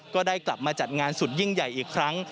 ก็ได้กลับมาจัดงานสุดยิ่งใหญ่อีกครั้ง